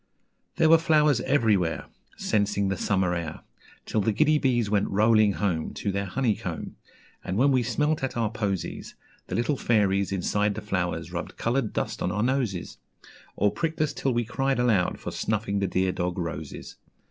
There were flowers everywhere, Censing the summer air, Till the giddy bees went rolling home To their honeycomb, And when we smelt at our posies, The little fairies inside the flowers rubbed coloured dust on our noses, Or pricked us till we cried aloud for snuffing the dear dog roses.